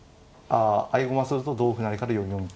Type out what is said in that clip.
合駒すると同歩成から４四。